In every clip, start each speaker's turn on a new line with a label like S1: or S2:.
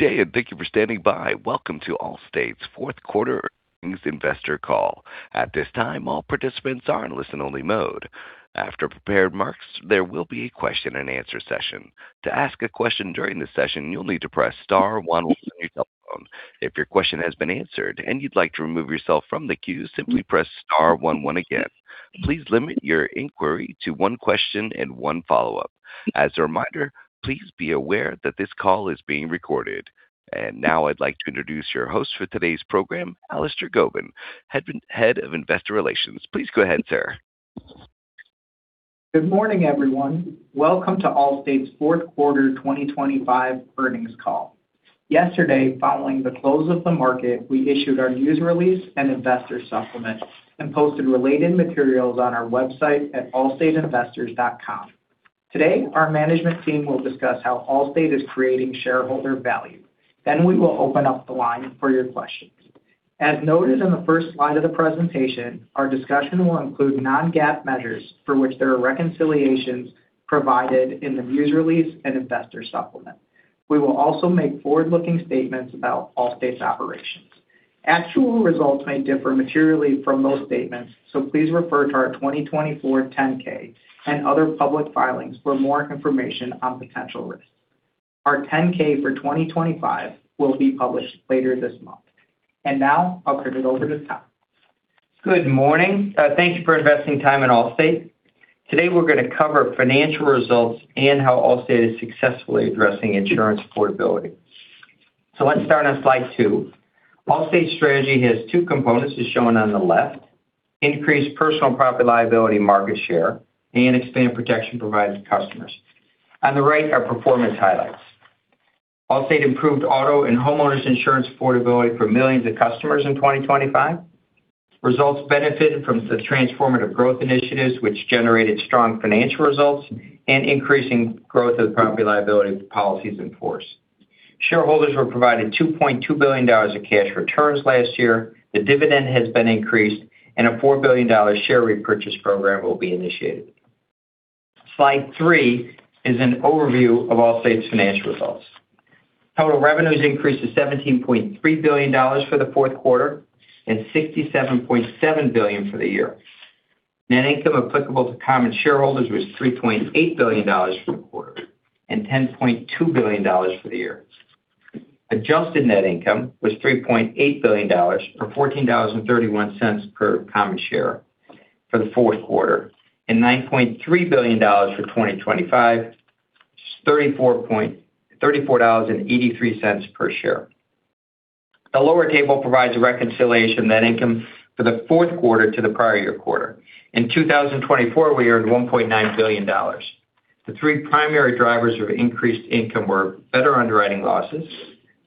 S1: Good day, and thank you for standing by. Welcome to Allstate's fourth quarter earnings investor call. At this time, all participants are in listen-only mode. After prepared remarks, there will be a question-and-answer session. To ask a question during the session, you'll need to press star one on your telephone. If your question has been answered and you'd like to remove yourself from the queue, simply press star one one again. Please limit your inquiry to one question and one follow-up. As a reminder, please be aware that this call is being recorded. And now I'd like to introduce your host for today's program, Alister Gobin, Head of Investor Relations. Please go ahead, sir.
S2: Good morning, everyone. Welcome to Allstate's fourth quarter 2025 earnings call. Yesterday, following the close of the market, we issued our news release and investor supplement and posted related materials on our website at allstateinvestors.com. Today, our management team will discuss how Allstate is creating shareholder value. Then we will open up the line for your questions. As noted on the first slide of the presentation, our discussion will include non-GAAP measures for which there are reconciliations provided in the news release and investor supplement. We will also make forward-looking statements about Allstate's operations. Actual results may differ materially from those statements, so please refer to our 2024 10-K and other public filings for more information on potential risks. Our 10-K for 2025 will be published later this month. Now I'll turn it over to Tom.
S3: Good morning. Thank you for investing time in Allstate. Today, we're going to cover financial results and how Allstate is successfully addressing insurance affordability. So let's start on slide two. Allstate's strategy has two components, as shown on the left: increase personal property-liability market share and expand protection provided to customers. On the right are performance highlights. Allstate improved auto and homeowners insurance affordability for millions of customers in 2025. Results benefited from the Transformative Growth initiatives, which generated strong financial results and increasing growth of property-liability policies in force. Shareholders were provided $2.2 billion of cash returns last year, the dividend has been increased, and a $4 billion share repurchase program will be initiated. Slide three is an overview of Allstate's financial results. Total revenues increased to $17.3 billion for the fourth quarter and $67.7 billion for the year. Net income applicable to common shareholders was $3.8 billion for the quarter and $10.2 billion for the year. Adjusted net income was $3.8 billion, or $14.31 per common share for the fourth quarter, and $9.3 billion for 2025, $34.83 per share. The lower table provides a reconciliation of net income for the fourth quarter to the prior year quarter. In 2024, we earned $1.9 billion. The three primary drivers of increased income were better underwriting losses,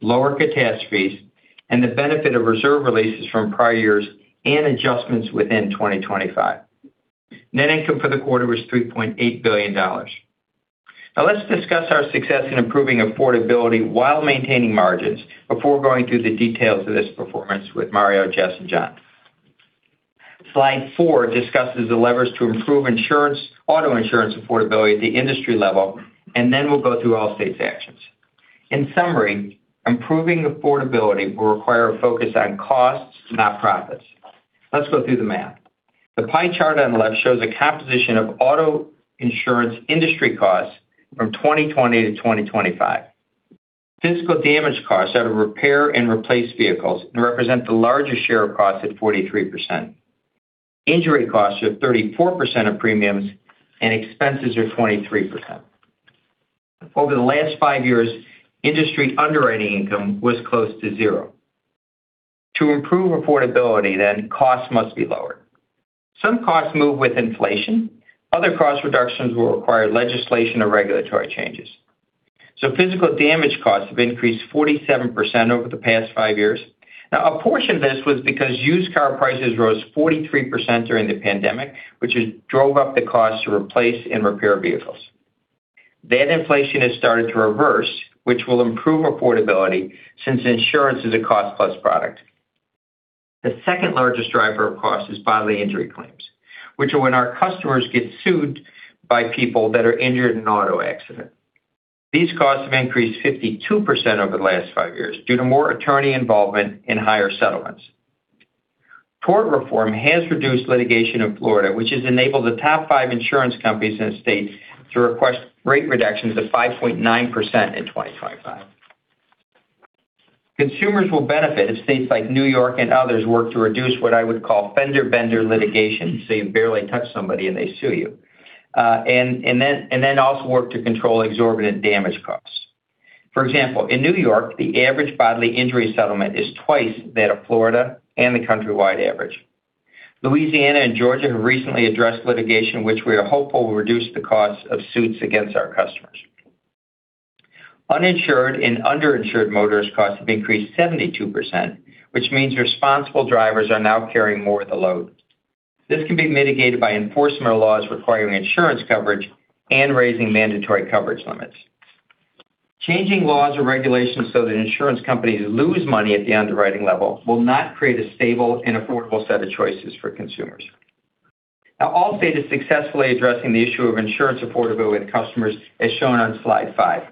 S3: lower catastrophes, and the benefit of reserve releases from prior years and adjustments within 2025. Net income for the quarter was $3.8 billion. Now, let's discuss our success in improving affordability while maintaining margins before going through the details of this performance with Mario, Jess, and John. Slide four discusses the levers to improve insurance, auto insurance affordability at the industry level, and then we'll go through Allstate's actions. In summary, improving affordability will require a focus on costs, not profits. Let's go through the math. The pie chart on the left shows a composition of auto insurance industry costs from 2020 to 2025. Physical damage costs out of repair and replace vehicles represent the largest share of costs at 43%. Injury costs are 34% of premiums, and expenses are 23%. Over the last 5 years, industry underwriting income was close to zero. To improve affordability, then, costs must be lowered. Some costs move with inflation. Other cost reductions will require legislation or regulatory changes. So physical damage costs have increased 47% over the past five years. Now, a portion of this was because used car prices rose 43% during the pandemic, which has drove up the cost to replace and repair vehicles. That inflation has started to reverse, which will improve affordability since insurance is a cost-plus product. The second largest driver of cost is bodily injury claims, which are when our customers get sued by people that are injured in an auto accident. These costs have increased 52% over the last five years due to more attorney involvement and higher settlements. Tort reform has reduced litigation in Florida, which has enabled the top five insurance companies in the state to request rate reductions of 5.9% in 2025. Consumers will benefit if states like New York and others work to reduce what I would call fender bender litigation, so you barely touch somebody, and they sue you, and then also work to control exorbitant damage costs. For example, in New York, the average bodily injury settlement is twice that of Florida and the countrywide average. Louisiana and Georgia have recently addressed litigation, which we are hopeful will reduce the cost of suits against our customers. Uninsured and underinsured motorist costs have increased 72%, which means responsible drivers are now carrying more of the load. This can be mitigated by enforcement or laws requiring insurance coverage and raising mandatory coverage limits. Changing laws or regulations so that insurance companies lose money at the underwriting level will not create a stable and affordable set of choices for consumers. Now, Allstate is successfully addressing the issue of insurance affordability with customers, as shown on slide five.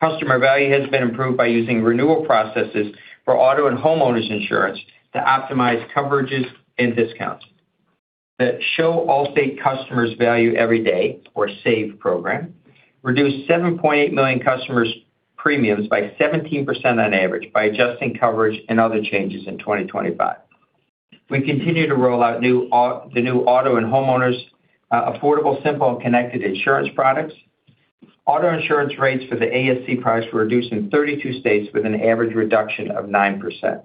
S3: Customer value has been improved by using renewal processes for auto and homeowners insurance to optimize coverages and discounts. The Show Allstate Customers Value Every Day, or SAVE program, reduced 7.8 million customers' premiums by 17% on average by adjusting coverage and other changes in 2025. We continue to roll out the new auto and homeowners affordable, simple, and connected insurance products. Auto insurance rates for the ASC products were reduced in 32 states with an average reduction of 9%.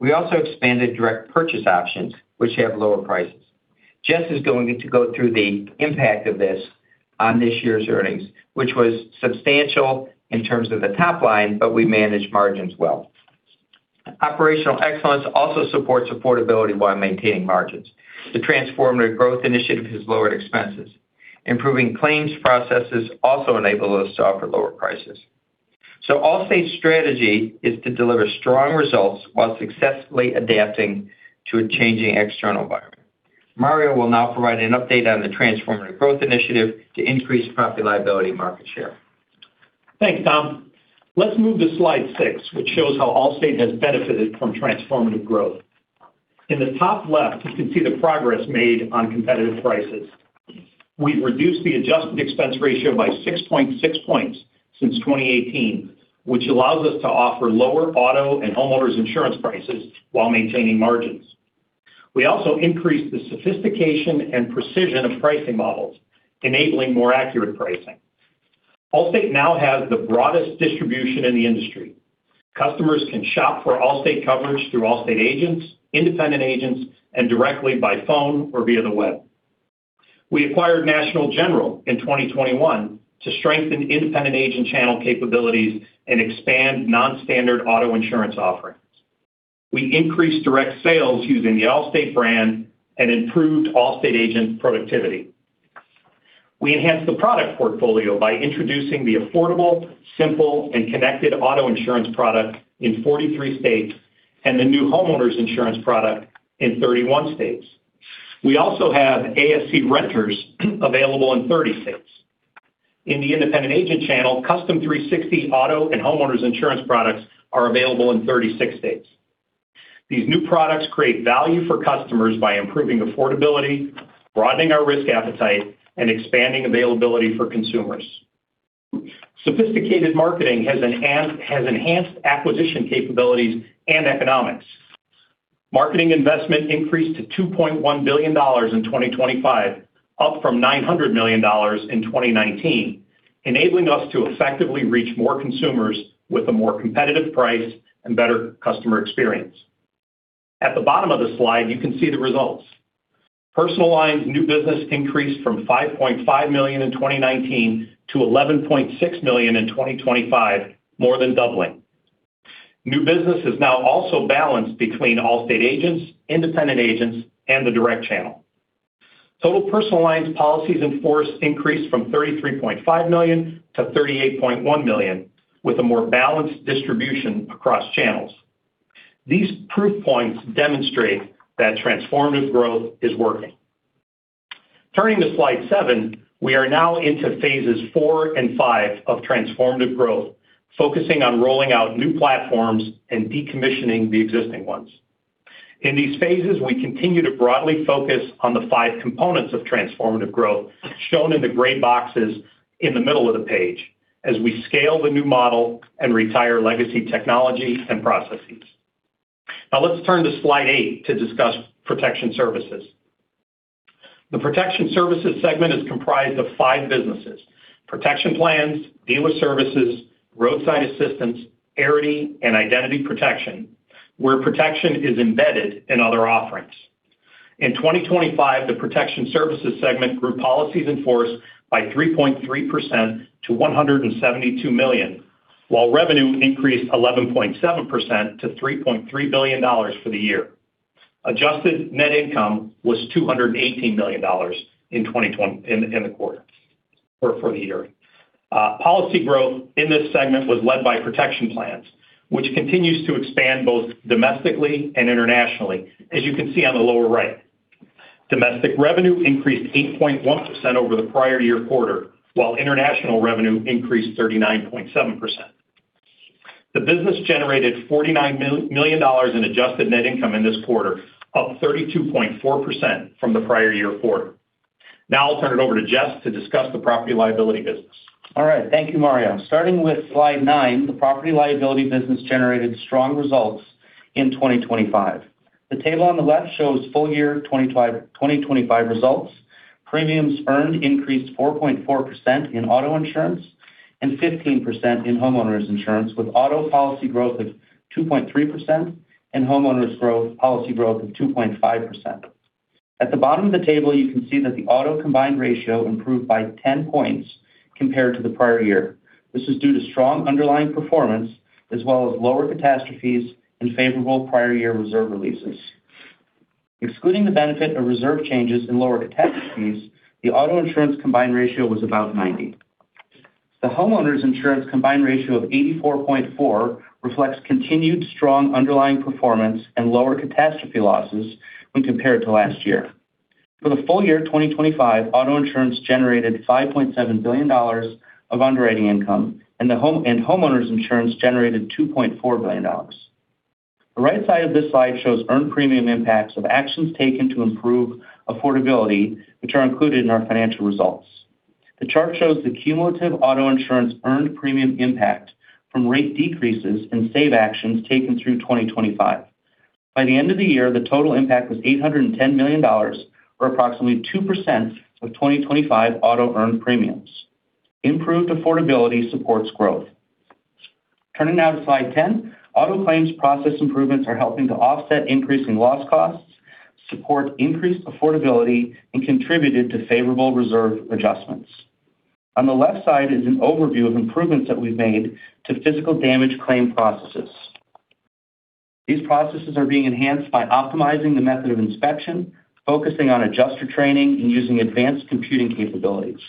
S3: We also expanded direct purchase options, which have lower prices. Jess is going to go through the impact of this on this year's earnings, which was substantial in terms of the top line, but we managed margins well. Operational excellence also supports affordability while maintaining margins. The Transformative Growth initiative has lowered expenses. Improving claims processes also enable us to offer lower prices. Allstate's strategy is to deliver strong results while successfully adapting to a changing external environment. Mario will now provide an update on the Transformative Growth initiative to increase Property-Liability market share.
S4: Thanks, Tom. Let's move to slide six, which shows how Allstate has benefited from Transformative Growth. In the top left, you can see the progress made on competitive prices. We've reduced the adjusted expense ratio by 6.6 points since 2018, which allows us to offer lower auto and homeowners insurance prices while maintaining margins. We also increased the sophistication and precision of pricing models, enabling more accurate pricing. Allstate now has the broadest distribution in the industry. Customers can shop for Allstate coverage through Allstate agents, independent agents, and directly by phone or via the web. We acquired National General in 2021 to strengthen independent agent channel capabilities and expand non-standard auto insurance offerings. We increased direct sales using the Allstate brand and improved Allstate agent productivity. We enhanced the product portfolio by introducing the Affordable, Simple, Connected auto insurance product in 43 states and the new homeowners insurance product in 31 states. We also have ASC renters available in 30 states. In the independent agent channel, Custom 360 Auto and Homeowners insurance products are available in 36 states. These new products create value for customers by improving affordability, broadening our risk appetite, and expanding availability for consumers. Sophisticated marketing has enhanced acquisition capabilities and economics. Marketing investment increased to $2.1 billion in 2025, up from $900 million in 2019, enabling us to effectively reach more consumers with a more competitive price and better customer experience. At the bottom of the slide, you can see the results. Personal lines new business increased from 5.5 million in 2019 to 11.6 million in 2025, more than doubling. New business is now also balanced between Allstate agents, independent agents, and the direct channel. Total personal lines policies in force increased from 33.5 million to 38.1 million, with a more balanced distribution across channels. These proof points demonstrate that transformative growth is working. Turning to slide seven, we are now into phases 4 and 5 of transformative growth, focusing on rolling out new platforms and decommissioning the existing ones. In these phases, we continue to broadly focus on the 5 components of transformative growth, shown in the gray boxes in the middle of the page, as we scale the new model and retire legacy technology and processes. Now, let's turn to slide eight to discuss Protection Services. The Protection Services segment is comprised of five businesses: Protection Plans, Dealer Services, roadside assistance, Arity, and Identity Protection, where protection is embedded in other offerings. In 2025, the Protection Services segment grew policies in force by 3.3% to 172 million, while revenue increased 11.7% to $3.3 billion for the year. Adjusted net income was $218 million for the year. Policy growth in this segment was led by Protection Plans, which continues to expand both domestically and internationally, as you can see on the lower right. Domestic revenue increased 8.1% over the prior year quarter, while international revenue increased 39.7%. The business generated $49 million in adjusted net income in this quarter, up 32.4% from the prior year quarter. Now, I'll turn it over to Jess to discuss the Property-Liability business.
S5: All right. Thank you, Mario. Starting with slide nine, the Property-Liability business generated strong results in 2025. The table on the left shows full year 2025 results. Premiums earned increased 4.4% in auto insurance and 15% in homeowners insurance, with auto policy growth of 2.3% and homeowners policy growth of 2.5%. At the bottom of the table, you can see that the auto combined ratio improved by 10 points compared to the prior year. This is due to strong underlying performance, as well as lower catastrophes and favorable prior year reserve releases. Excluding the benefit of reserve changes in lower catastrophes, the auto insurance combined ratio was about 90.... The homeowners insurance combined ratio of 84.4 reflects continued strong underlying performance and lower catastrophe losses when compared to last year. For the full year 2025, auto insurance generated $5.7 billion of underwriting income, and homeowners insurance generated $2.4 billion. The right side of this slide shows earned premium impacts of actions taken to improve affordability, which are included in our financial results. The chart shows the cumulative auto insurance earned premium impact from rate decreases and SAVE actions taken through 2025. By the end of the year, the total impact was $810 million, or approximately 2% of 2025 auto earned premiums. Improved affordability supports growth. Turning now to Slide ten, auto claims process improvements are helping to offset increasing loss costs, support increased affordability, and contributed to favorable reserve adjustments. On the left side is an overview of improvements that we've made to physical damage claim processes. These processes are being enhanced by optimizing the method of inspection, focusing on adjuster training, and using advanced computing capabilities.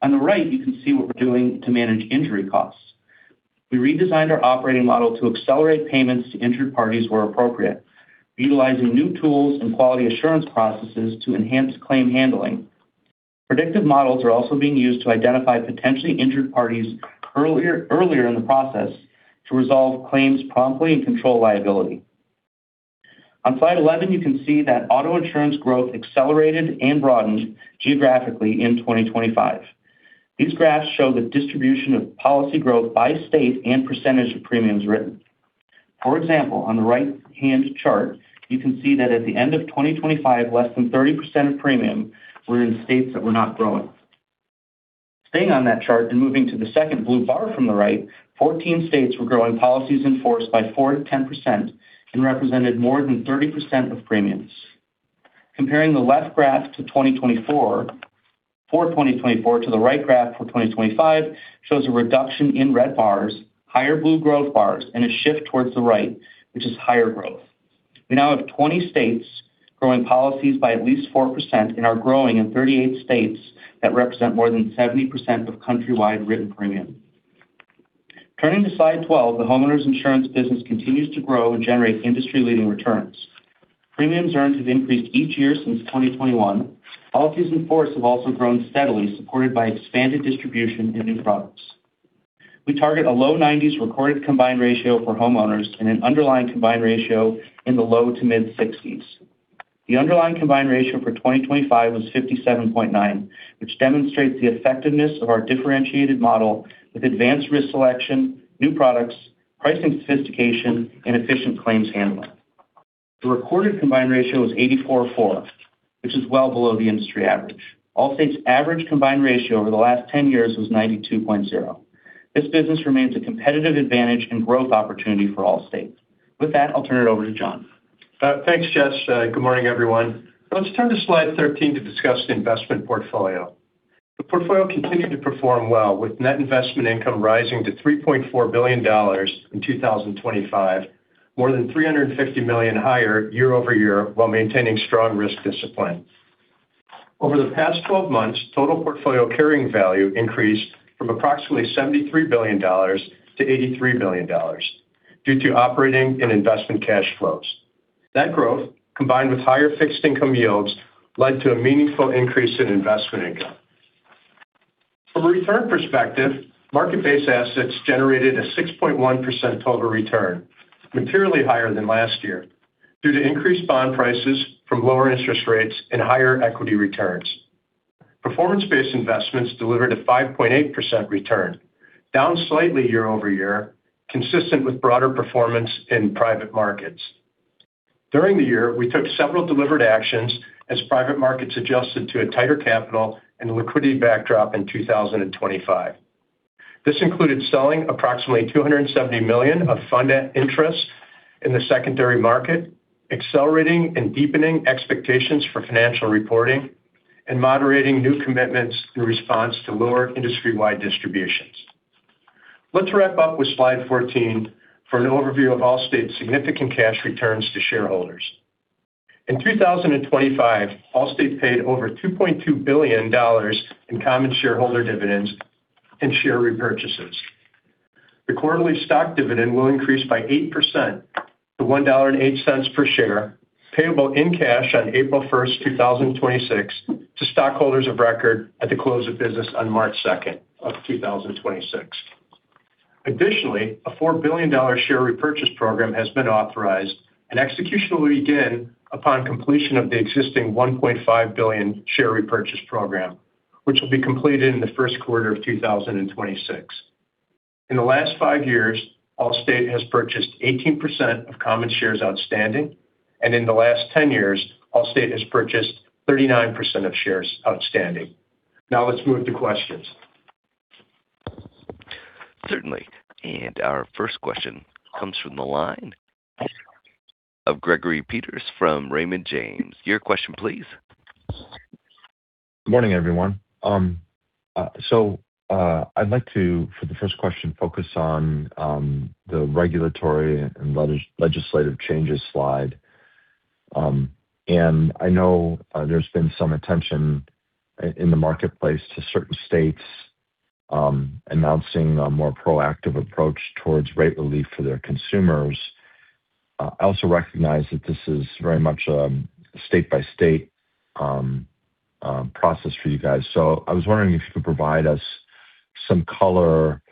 S5: On the right, you can see what we're doing to manage injury costs. We redesigned our operating model to accelerate payments to injured parties where appropriate, utilizing new tools and quality assurance processes to enhance claim handling. Predictive models are also being used to identify potentially injured parties earlier, earlier in the process to resolve claims promptly and control liability. On Slide 11, you can see that auto insurance growth accelerated and broadened geographically in 2025. These graphs show the distribution of policy growth by state and percentage of premiums written. For example, on the right-hand chart, you can see that at the end of 2025, less than 30% of premiums were in states that were not growing. Staying on that chart and moving to the second blue bar from the right, 14 states were growing policies in force by 4%-10% and represented more than 30% of premiums. Comparing the left graph to 2024—for 2024 to the right graph for 2025, shows a reduction in red bars, higher blue growth bars, and a shift towards the right, which is higher growth. We now have 20 states growing policies by at least 4% and are growing in 38 states that represent more than 70% of countrywide written premium. Turning to Slide 12, the homeowners insurance business continues to grow and generate industry-leading returns. Premiums earned have increased each year since 2021. Policies in force have also grown steadily, supported by expanded distribution and new products. We target a low 90s recorded combined ratio for homeowners and an underlying combined ratio in the low-to-mid 60s. The underlying combined ratio for 2025 was 57.9, which demonstrates the effectiveness of our differentiated model with advanced risk selection, new products, pricing sophistication, and efficient claims handling. The recorded combined ratio was 84.4, which is well below the industry average. Allstate's average combined ratio over the last 10 years was 92.0. This business remains a competitive advantage and growth opportunity for Allstate. With that, I'll turn it over to John.
S6: Thanks, Jess. Good morning, everyone. Let's turn to Slide 13 to discuss the investment portfolio. The portfolio continued to perform well, with net investment income rising to $3.4 billion in 2025, more than $350 million higher year-over-year, while maintaining strong risk discipline. Over the past 12 months, total portfolio carrying value increased from approximately $73 billion-$83 billion due to operating and investment cash flows. That growth, combined with higher fixed income yields, led to a meaningful increase in investment income. From a return perspective, market-based assets generated a 6.1% total return, materially higher than last year, due to increased bond prices from lower interest rates and higher equity returns. Performance-based investments delivered a 5.8% return, down slightly year-over-year, consistent with broader performance in private markets. During the year, we took several delivered actions as private markets adjusted to a tighter capital and liquidity backdrop in 2025. This included selling approximately $270 million of fund interest in the secondary market, accelerating and deepening expectations for financial reporting, and moderating new commitments in response to lower industry-wide distributions. Let's wrap up with Slide 14 for an overview of Allstate's significant cash returns to shareholders. In 2025, Allstate paid over $2.2 billion in common shareholder dividends and share repurchases. The quarterly stock dividend will increase by 8% to $1.08 per share, payable in cash on April 1, 2026, to stockholders of record at the close of business on March 2, 2026. Additionally, a $4 billion share repurchase program has been authorized and execution will begin upon completion of the existing $1.5 billion share repurchase program, which will be completed in the first quarter of 2026. In the last five years, Allstate has purchased 18% of common shares outstanding, and in the last ten years, Allstate has purchased 39% of shares outstanding. Now, let's move to questions.
S1: Certainly. Our first question comes from the line of Greg Peters from Raymond James. Your question, please.
S7: Good morning, everyone. I'd like to, for the first question, focus on the regulatory and legislative changes slide. I know there's been some attention in the marketplace to certain states announcing a more proactive approach towards rate relief for their consumers. I also recognize that this is very much a state by state process for you guys. I was wondering if you could provide us some color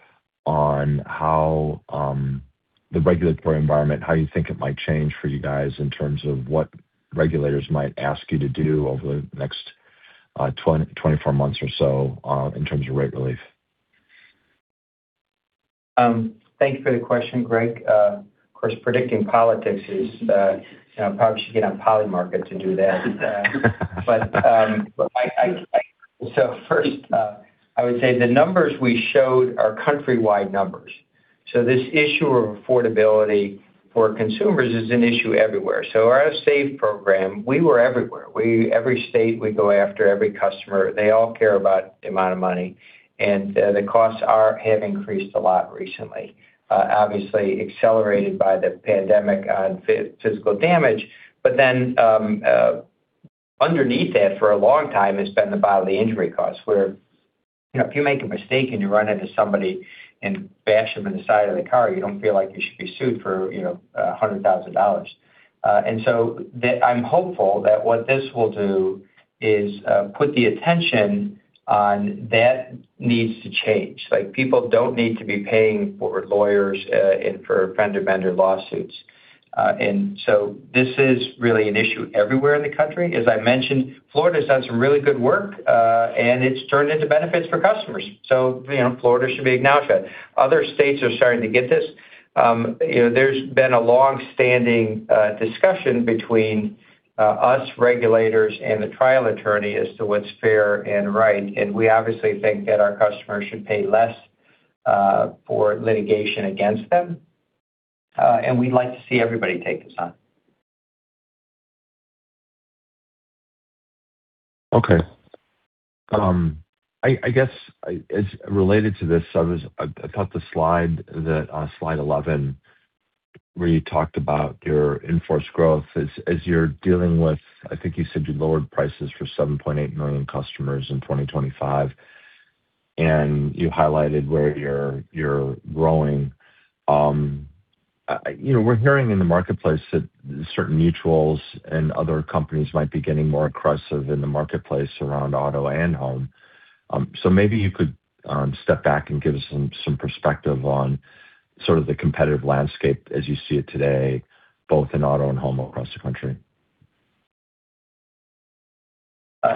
S7: on how the regulatory environment, how you think it might change for you guys in terms of what regulators might ask you to do over the next 24 months or so, in terms of rate relief?
S3: Thank you for the question, Greg. Of course, predicting politics is, you know, probably should get on Polymarket to do that. But, so first, I would say the numbers we showed are countrywide numbers. So this issue of affordability for consumers is an issue everywhere. So our SAVE program, we were everywhere. Every state, we go after every customer, they all care about the amount of money, and the costs have increased a lot recently. Obviously accelerated by the pandemic on physical damage, but then, underneath that, for a long time, it's been the bodily injury costs, where, you know, if you make a mistake and you run into somebody and bash them in the side of the car, you don't feel like you should be sued for, you know, $100,000. And so the... I'm hopeful that what this will do is put the attention on that needs to change. Like, people don't need to be paying for lawyers and for fender bender lawsuits. And so this is really an issue everywhere in the country. As I mentioned, Florida's done some really good work and it's turned into benefits for customers. So, you know, Florida should be acknowledged that. Other states are starting to get this. You know, there's been a long-standing discussion between us regulators and the trial attorney as to what's fair and right, and we obviously think that our customers should pay less for litigation against them and we'd like to see everybody take this on.
S7: Okay. I guess as related to this, I was I thought the slide that on slide 11, where you talked about your in-force growth as, as you're dealing with, I think you said you lowered prices for 7.8 million customers in 2025, and you highlighted where you're, you're growing. You know, we're hearing in the marketplace that certain mutuals and other companies might be getting more aggressive in the marketplace around auto and home. So maybe you could step back and give us some, some perspective on sort of the competitive landscape as you see it today, both in auto and home across the country.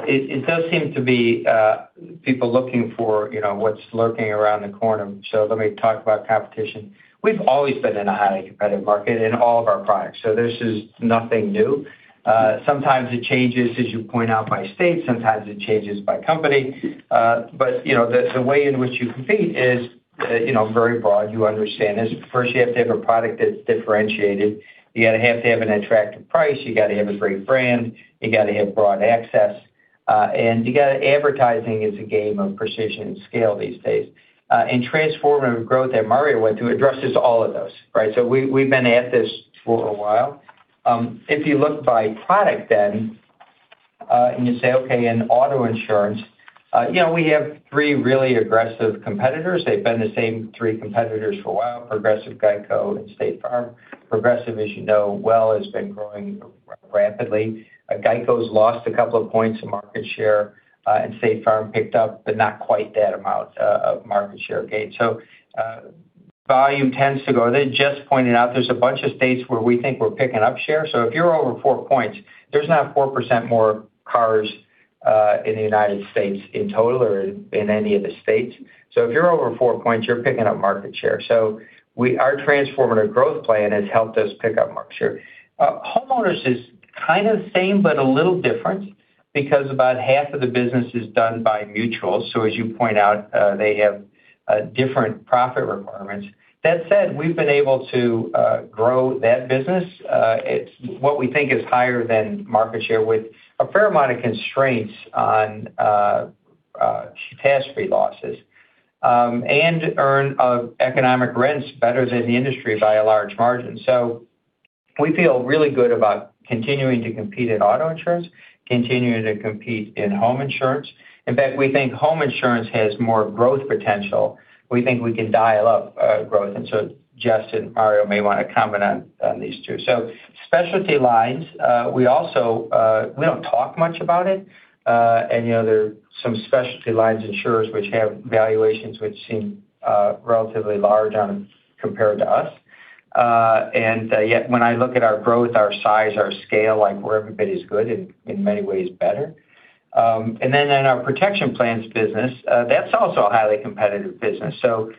S3: It does seem to be people looking for, you know, what's lurking around the corner. So let me talk about competition. We've always been in a highly competitive market in all of our products, so this is nothing new. Sometimes it changes, as you point out, by state, sometimes it changes by company. But, you know, the way in which you compete is, you know, very broad. You understand this. First, you have to have a product that's differentiated, you gotta have to have an attractive price, you gotta have a great brand, you gotta have broad access, and you got advertising is a game of precision and scale these days. And Transformative Growth that Mario went through addresses all of those, right? So we, we've been at this for a while. If you look by product then and you say, okay, in auto insurance, you know, we have three really aggressive competitors. They've been the same three competitors for a while: Progressive, GEICO, and State Farm. Progressive, as you know well, has been growing rapidly. GEICO's lost a couple of points in market share and State Farm picked up, but not quite that amount of market share gain. So, volume tends to go. They just pointed out there's a bunch of states where we think we're picking up share. So if you're over four points, there's not 4% more cars in the United States in total or in any of the states. So if you're over four points, you're picking up market share. So, our Transformative Growth plan has helped us pick up market share. Homeowners is kind of same, but a little different because about half of the business is done by mutuals, so as you point out, they have different profit requirements. That said, we've been able to grow that business. It's what we think is higher than market share, with a fair amount of constraints on catastrophe losses, and earn economic rents better than the industry by a large margin. So we feel really good about continuing to compete in auto insurance, continuing to compete in home insurance. In fact, we think home insurance has more growth potential. We think we can dial up growth, and so Jesse and Mario may want to comment on these two. So specialty lines, we also don't talk much about it. And, you know, there are some specialty lines insurers which have valuations which seem relatively large on compared to us. And yet, when I look at our growth, our size, our scale, like, we're everybody's good in many ways better. And then in our Protection Plans business, that's also a highly competitive business. So,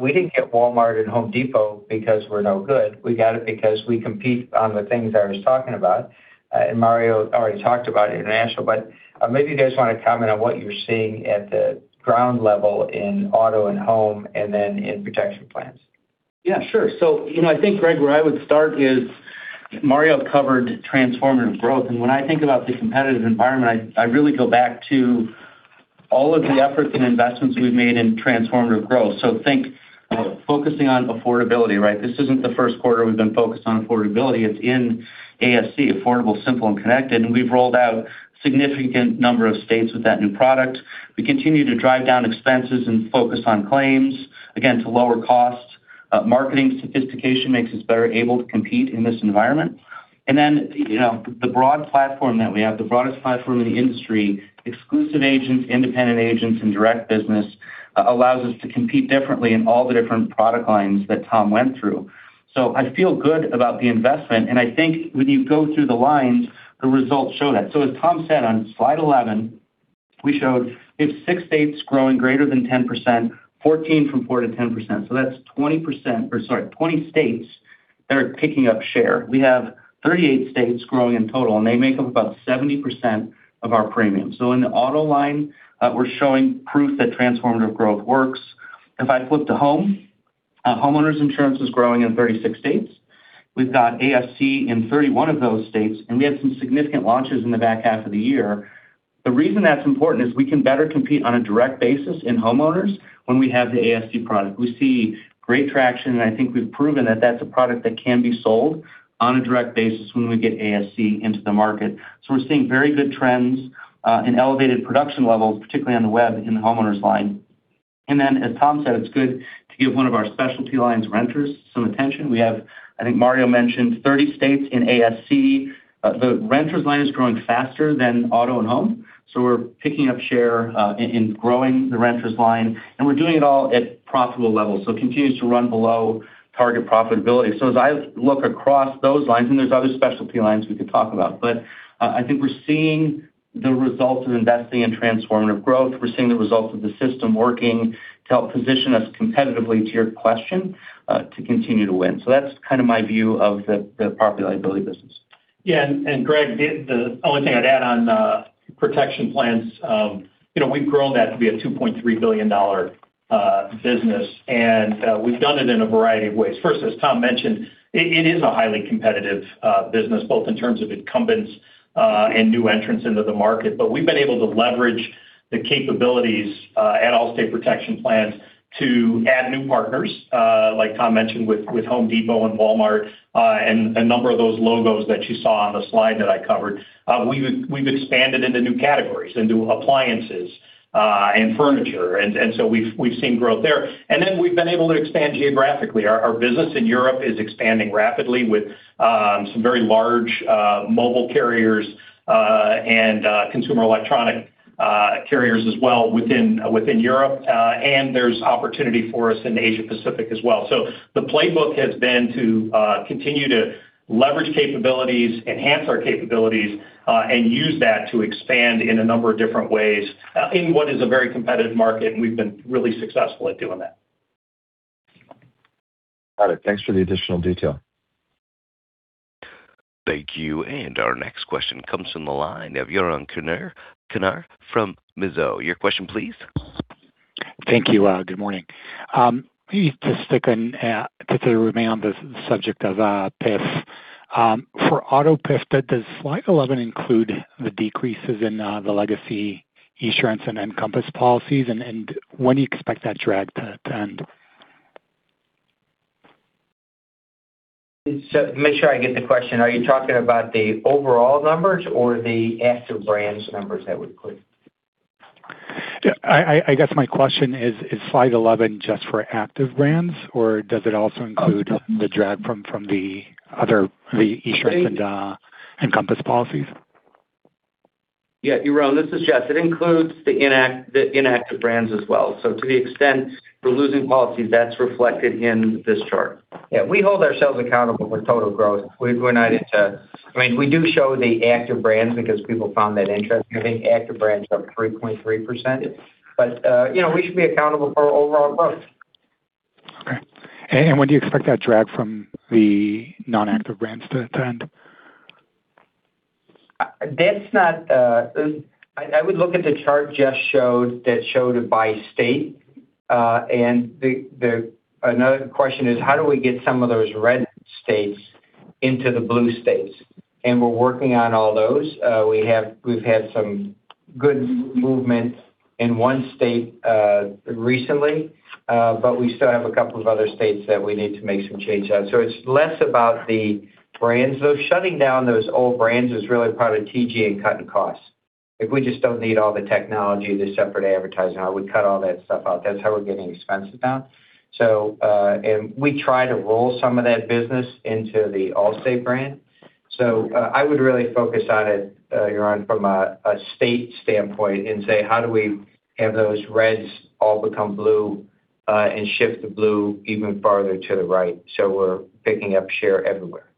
S3: we didn't get Walmart and Home Depot because we're no good. We got it because we compete on the things I was talking about, and Mario already talked about international. But maybe you guys want to comment on what you're seeing at the ground level in auto and home, and then in Protection Plans.
S5: Yeah, sure. So, you know, I think, Greg, where I would start is Mario covered transformative growth, and when I think about the competitive environment, I really go back to. ... all of the efforts and investments we've made in Transformative Growth. So think, focusing on affordability, right? This isn't the first quarter we've been focused on affordability. It's in ASC, Affordable, Simple, and Connected, and we've rolled out significant number of states with that new product. We continue to drive down expenses and focus on claims, again, to lower costs. Marketing sophistication makes us better able to compete in this environment. And then, you know, the broad platform that we have, the broadest platform in the industry, exclusive agents, independent agents, and direct business, allows us to compete differently in all the different product lines that Tom went through. So I feel good about the investment, and I think when you go through the lines, the results show that. So as Tom said, on slide 11, we showed we have 6 states growing greater than 10%, 14 from 4%-10%. So that's 20%-- or sorry, 20 states that are picking up share. We have 38 states growing in total, and they make up about 70% of our premiums. So in the auto line, we're showing proof that Transformative Growth works. If I flip to home, homeowners insurance is growing in 36 states. We've got ASC in 31 of those states, and we have some significant launches in the back half of the year. The reason that's important is we can better compete on a direct basis in homeowners when we have the ASC product. We see great traction, and I think we've proven that that's a product that can be sold on a direct basis when we get ASC into the market. So we're seeing very good trends, in elevated production levels, particularly on the web, in the homeowners line. And then, as Tom said, it's good to give one of our specialty lines, renters, some attention. We have, I think Mario mentioned, 30 states in ASC. The renters line is growing faster than auto and home, so we're picking up share in growing the renters line, and we're doing it all at profitable levels, so it continues to run below target profitability. So as I look across those lines, and there's other specialty lines we could talk about, but, I think we're seeing the results of investing in Transformative Growth. We're seeing the results of the system working to help position us competitively, to your question, to continue to win. So that's kind of my view of the Property-Liability business.
S4: Yeah, and Greg, the only thing I'd add on Protection Plans, you know, we've grown that to be a $2.3 billion business, and we've done it in a variety of ways. First, as Tom mentioned, it is a highly competitive business, both in terms of incumbents and new entrants into the market. But we've been able to leverage the capabilities at Allstate Protection Plans to add new partners, like Tom mentioned, with Home Depot and Walmart, and a number of those logos that you saw on the slide that I covered. We've expanded into new categories, into appliances and furniture, and so we've seen growth there. And then we've been able to expand geographically. Our business in Europe is expanding rapidly with some very large mobile carriers and consumer electronic carriers as well within Europe and there's opportunity for us in Asia Pacific as well. So the playbook has been to continue to leverage capabilities, enhance our capabilities and use that to expand in a number of different ways in what is a very competitive market, and we've been really successful at doing that.
S7: Got it. Thanks for the additional detail.
S1: Thank you, and our next question comes from the line of Yaron Kinar from Mizuho. Your question, please.
S8: Thank you, good morning. Maybe just sticking to remain on the subject of PIF. For auto PIF, does slide 11 include the decreases in the legacy Esurance and Encompass policies? And when do you expect that drag to end?
S5: Make sure I get the question. Are you talking about the overall numbers or the active brands numbers that we include?
S8: Yeah, I guess my question is, is slide 11 just for active brands, or does it also include the drag from the other Esurance and Encompass policies?
S6: Yeah, Yaron, this is Jess. It includes the inactive brands as well. So to the extent we're losing policies, that's reflected in this chart. Yeah, we hold ourselves accountable for total growth. We're not into—I mean, we do show the active brands because people found that interesting. I think active brands are up 3.3%. But, you know, we should be accountable for our overall growth.
S8: Okay. And when do you expect that drag from the non-active brands to end?
S6: That's not... I would look at the chart Jess showed that showed it by state. And another question is: How do we get some of those red states into the blue states? And we're working on all those. We've had some good movement in one state recently, but we still have a couple of other states that we need to make some changes on. So it's less about the brands, though shutting down those old brands is really part of TG and cutting costs. Like, we just don't need all the technology, the separate advertising, how we cut all that stuff out, that's how we're getting expenses down. So, and we try to roll some of that business into the Allstate brand. I would really focus on it, Yaron, from a state standpoint and say: How do we have those reds all become blue, and shift the blue even farther to the right so we're picking up share everywhere?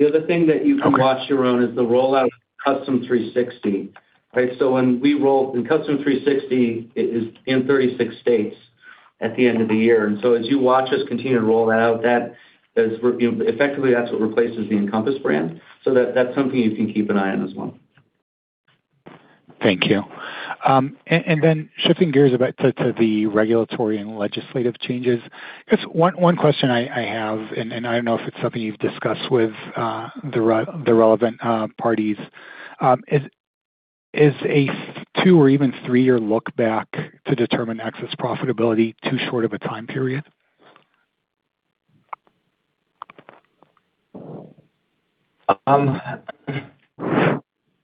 S4: The other thing that you can watch, Yaron, is the rollout of Custom 360. Right? So when we roll out and Custom 360 is in 36 states at the end of the year. And so as you watch us continue to roll that out, that is effectively, that's what replaces the Encompass brand. So that, that's something you can keep an eye on as well.
S8: Thank you. And then shifting gears a bit to the regulatory and legislative changes, I guess, one question I have, and I don't know if it's something you've discussed with the relevant parties, is a two- or even three-year look back to determine excess profitability too short of a time period?...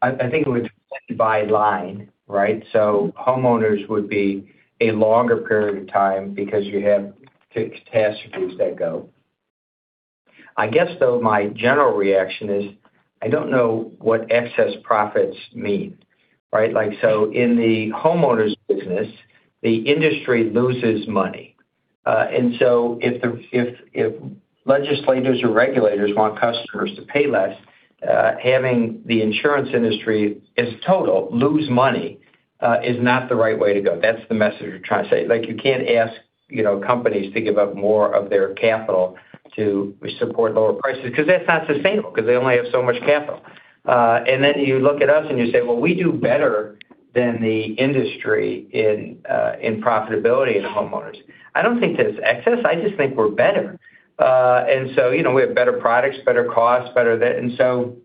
S3: I think it would by line, right? So homeowners would be a longer period of time because you have fixed catastrophes that go. I guess, though, my general reaction is, I don't know what excess profits mean, right? Like, so in the homeowners business, the industry loses money. And so if the, if, if legislators or regulators want customers to pay less, having the insurance industry, as total, lose money, is not the right way to go. That's the message we're trying to say. Like, you can't ask, you know, companies to give up more of their capital to support lower prices, because that's not sustainable, because they only have so much capital. And then you look at us, and you say, well, we do better than the industry in, in profitability in homeowners. I don't think that it's excess, I just think we're better. And so, you know, we have better products, better costs, better that. And so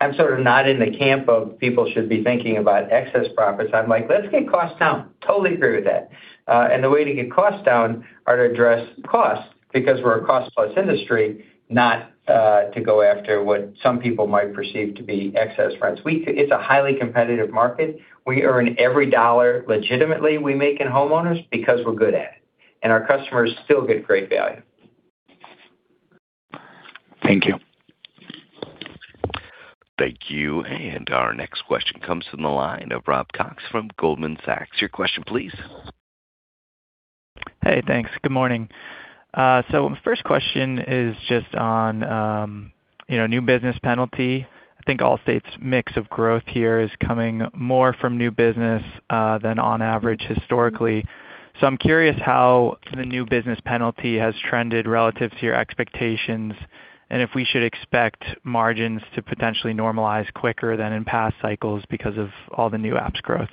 S3: I'm sort of not in the camp of people should be thinking about excess profits. I'm like, let's get costs down. Totally agree with that. And the way to get costs down are to address costs, because we're a cost-plus industry, not, to go after what some people might perceive to be excess rents. It's a highly competitive market. We earn every dollar legitimately we make in homeowners because we're good at it, and our customers still get great value.
S8: Thank you.
S1: Thank you. Our next question comes from the line of Robert Cox from Goldman Sachs. Your question, please.
S9: Hey, thanks. Good morning. My first question is just on, you know, new business penalty. I think Allstate's mix of growth here is coming more from new business than on average historically. I'm curious how the new business penalty has trended relative to your expectations, and if we should expect margins to potentially normalize quicker than in past cycles because of all the new apps growth.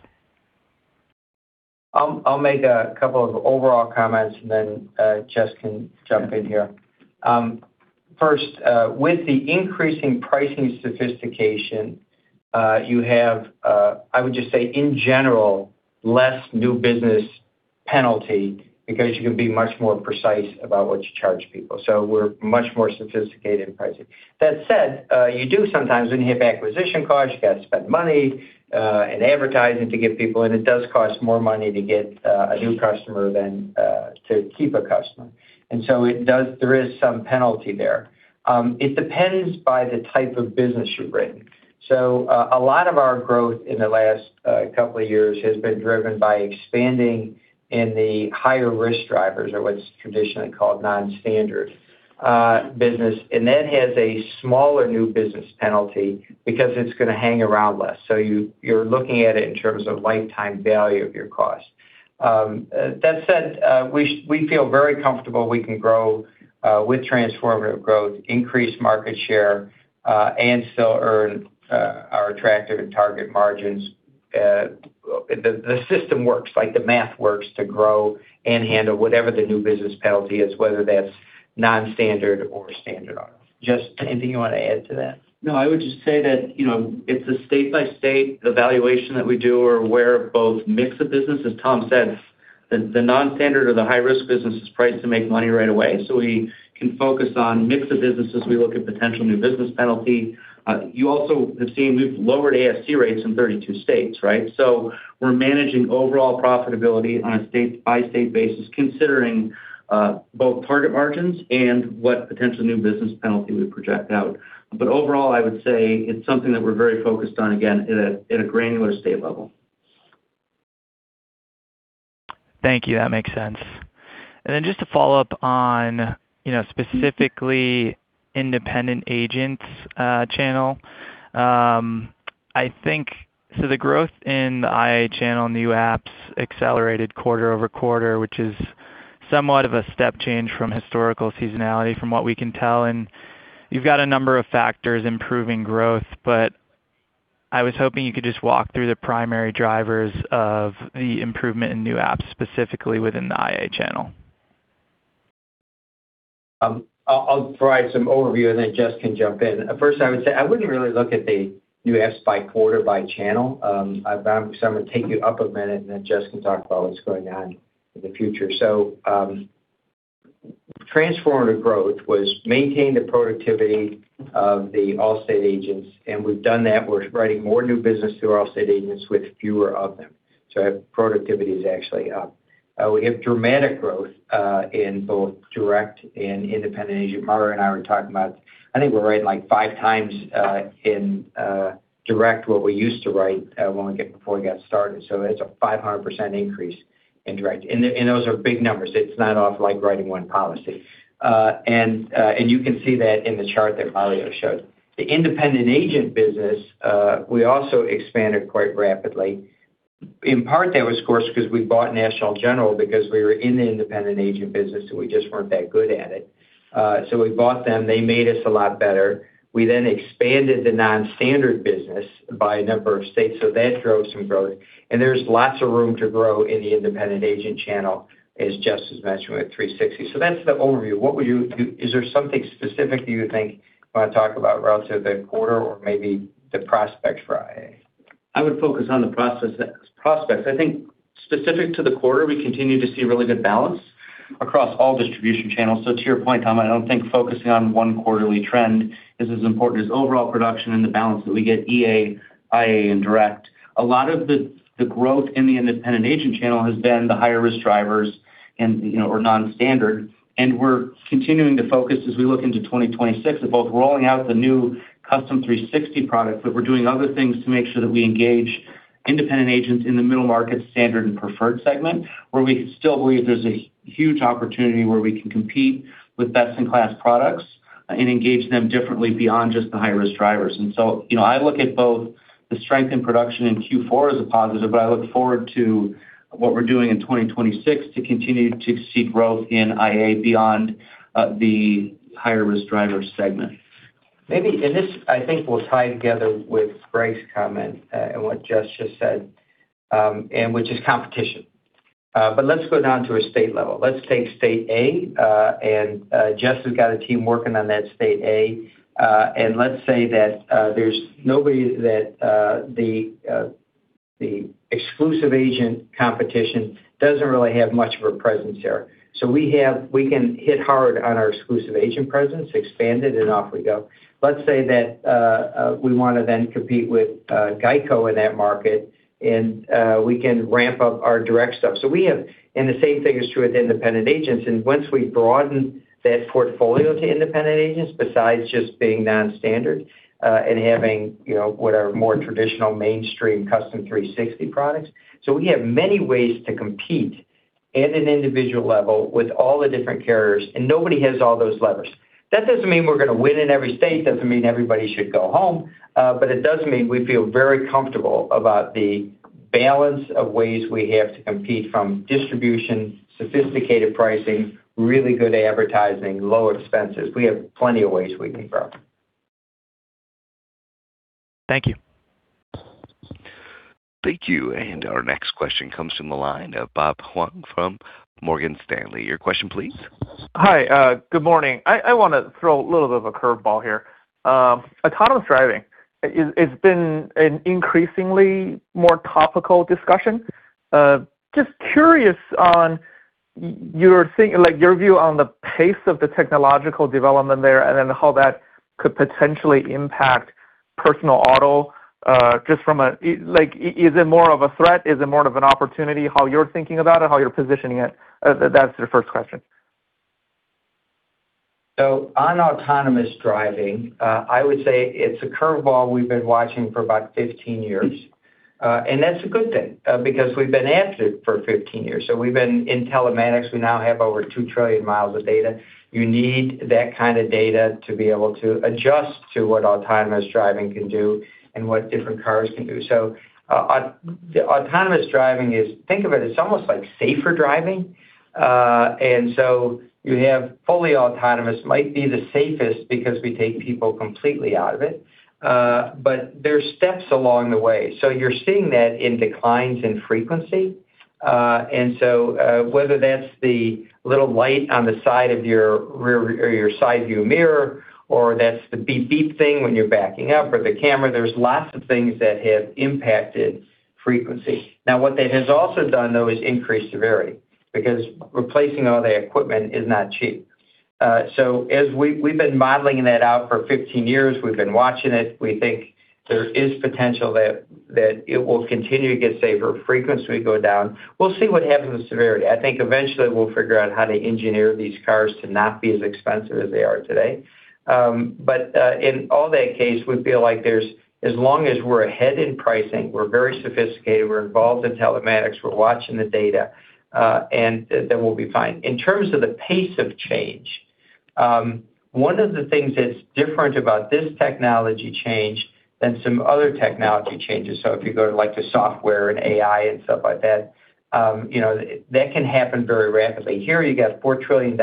S3: I'll make a couple of overall comments, and then Jess can jump in here. First, with the increasing pricing sophistication, you have, I would just say in general, less new business penalty because you can be much more precise about what you charge people. So we're much more sophisticated in pricing. That said, you do sometimes, when you have acquisition costs, you got to spend money in advertising to get people, and it does cost more money to get a new customer than to keep a customer. And so it does, there is some penalty there. It depends by the type of business you're in. So, a lot of our growth in the last couple of years has been driven by expanding in the higher risk drivers, or what's traditionally called non-standard business. That has a smaller new business penalty because it's going to hang around less. So you're looking at it in terms of lifetime value of your cost. That said, we feel very comfortable we can grow with Transformative Growth, increase market share, and still earn our attractive and target margins. The system works. Like, the math works to grow and handle whatever the new business penalty is, whether that's non-standard or standard ops. Jess, anything you want to add to that?
S5: No, I would just say that, you know, it's a state-by-state evaluation that we do. We're aware of both mix of business. As Tom said, the non-standard or the high-risk business is priced to make money right away, so we can focus on mix of business as we look at potential new business penalty. You also have seen we've lowered ASC rates in 32 states, right? So we're managing overall profitability on a state-by-state basis, considering both target margins and what potential new business penalty we project out. But overall, I would say it's something that we're very focused on, again, at a granular state level.
S9: Thank you. That makes sense. And then just to follow up on, you know, specifically independent agents channel. I think, so the growth in the IA channel, new apps accelerated quarter-over-quarter, which is somewhat of a step change from historical seasonality, from what we can tell. And you've got a number of factors improving growth, but I was hoping you could just walk through the primary drivers of the improvement in new apps, specifically within the IA channel.
S3: I'll provide some overview, and then Jess can jump in. First, I would say I wouldn't really look at the new apps by quarter by channel. So I'm going to take you up a minute, and then Jess can talk about what's going on in the future. So, Transformative Growth was maintain the productivity of the Allstate agents, and we've done that. We're writing more new business through our Allstate agents with fewer of them. So productivity is actually up. We have dramatic growth in both direct and independent agent. Mario and I were talking about, I think we're writing, like, five times in direct what we used to write before we got started. So it's a 500% increase in direct. And those are big numbers. It's not off, like, writing one policy. And you can see that in the chart that Mario showed. The independent agent business, we also expanded quite rapidly. In part, that was, of course, because we bought National General, because we were in the independent agent business, and we just weren't that good at it. So we bought them, they made us a lot better. We then expanded the non-standard business by a number of states, so that drove some growth. And there's lots of room to grow in the independent agent channel, as Jess has mentioned, with 360. So that's the overview. What would you do? Is there something specific that you think you want to talk about relative to the quarter or maybe the prospects for IA?...
S5: I would focus on the progress prospects. I think specific to the quarter, we continue to see really good balance across all distribution channels. So to your point, Tom, I don't think focusing on one quarterly trend is as important as overall production and the balance that we get EA, IA, and direct. A lot of the growth in the independent agent channel has been the higher risk drivers and, you know, or non-standard. And we're continuing to focus as we look into 2026, at both rolling out the new Custom 360 product, but we're doing other things to make sure that we engage independent agents in the middle market standard and preferred segment, where we still believe there's a huge opportunity where we can compete with best-in-class products and engage them differently beyond just the high-risk drivers. And so, you know, I look at both the strength in production in Q4 as a positive, but I look forward to what we're doing in 2026 to continue to see growth in IA beyond the higher risk driver segment.
S3: Maybe, and this, I think, will tie together with Greg's comment, and what Jess just said, and which is competition. But let's go down to a state level. Let's take state A, and, Jess has got a team working on that state A. And let's say that, there's nobody that, the exclusive agent competition doesn't really have much of a presence there. So we have, we can hit hard on our exclusive agent presence, expand it, and off we go. Let's say that, we want to then compete with GEICO in that market, and, we can ramp up our direct stuff. So we have... And the same thing is true with independent agents, and once we broaden that portfolio to independent agents, besides just being non-standard, and having, you know, what are more traditional mainstream Custom 360 products. So we have many ways to compete at an individual level with all the different carriers, and nobody has all those levers. That doesn't mean we're going to win in every state, doesn't mean everybody should go home, but it does mean we feel very comfortable about the balance of ways we have to compete from distribution, sophisticated pricing, really good advertising, low expenses. We have plenty of ways we can grow.
S9: Thank you.
S1: Thank you, and our next question comes from the line of Bob Huang from Morgan Stanley. Your question, please.
S10: Hi, good morning. I want to throw a little bit of a curveball here. Autonomous driving, it's been an increasingly more topical discussion. Just curious on your thing, like, your view on the pace of the technological development there, and then how that could potentially impact personal auto, just from a... Like, is it more of a threat? Is it more of an opportunity? How you're thinking about it, how you're positioning it? That's the first question.
S3: So on autonomous driving, I would say it's a curveball we've been watching for about 15 years. And that's a good thing, because we've been at it for 15 years. So we've been in telematics. We now have over 2 trillion miles of data. You need that kind of data to be able to adjust to what autonomous driving can do and what different cars can do. So the autonomous driving is, think of it, it's almost like safer driving. And so you have fully autonomous might be the safest because we take people completely out of it, but there are steps along the way. So you're seeing that in declines in frequency. and so, whether that's the little light on the side of your rear or your side view mirror, or that's the beep beep thing when you're backing up, or the camera, there's lots of things that have impacted frequency. Now, what that has also done, though, is increase severity, because replacing all the equipment is not cheap. As we've been modeling that out for 15 years, we've been watching it. We think there is potential that, that it will continue to get safer, frequency go down. We'll see what happens with severity. I think eventually we'll figure out how to engineer these cars to not be as expensive as they are today. But in all that case, we feel like there's as long as we're ahead in pricing, we're very sophisticated, we're involved in telematics, we're watching the data, and then we'll be fine. In terms of the pace of change, one of the things that's different about this technology change than some other technology changes, so if you go to, like, the software and AI and stuff like that, you know, that can happen very rapidly. Here, you got $4 trillion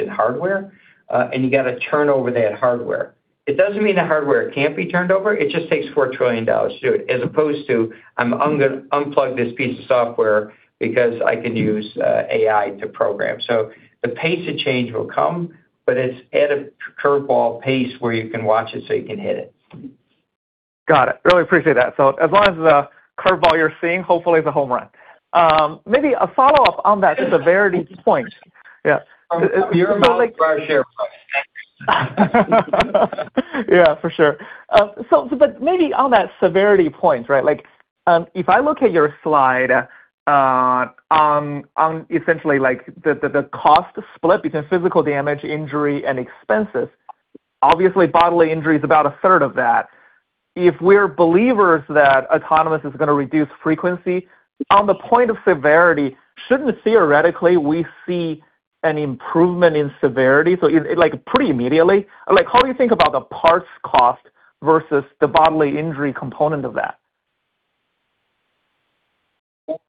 S3: in hardware, and you got to turn over that hardware. It doesn't mean the hardware can't be turned over, it just takes $4 trillion to do it, as opposed to, "I'm gonna unplug this piece of software because I can use AI to program." So the pace of change will come, but it's at a curveball pace where you can watch it, so you can hit it.
S10: Got it. Really appreciate that. So as long as the curveball you're seeing, hopefully it's a home run. Maybe a follow-up on that severity point. Yeah.
S3: You're about right here.
S10: Yeah, for sure. So, but maybe on that severity point, right, like, if I look at your slide, on essentially, like, the cost split between physical damage, injury, and expenses, obviously, bodily injury is about a third of that. If we're believers that autonomous is going to reduce frequency, on the point of severity, shouldn't theoretically we see an improvement in severity, so, like, pretty immediately? Like, how do you think about the parts cost versus the bodily injury component of that?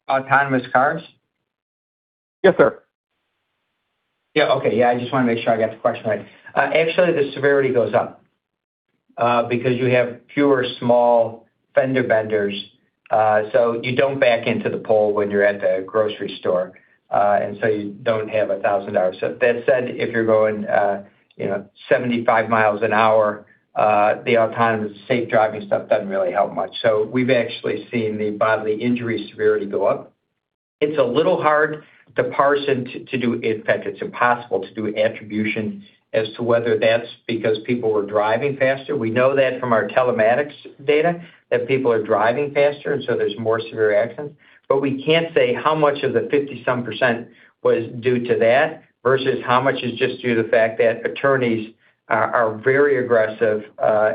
S3: Autonomous cars?
S10: Yes, sir.
S3: Yeah, okay. Yeah, I just want to make sure I got the question right. Actually, the severity goes up because you have fewer small fender benders. So you don't back into the pole when you're at the grocery store, and so you don't have $1,000. So that said, if you're going, you know, 75 miles an hour, the autonomous SAVE driving stuff doesn't really help much. So we've actually seen the Bodily Injury severity go up. It's a little hard to parse out to do. In fact, it's impossible to do attribution as to whether that's because people were driving faster. We know that from our telematics data, that people are driving faster, and so there's more severe accidents. But we can't say how much of the 50-some% was due to that, versus how much is just due to the fact that attorneys are very aggressive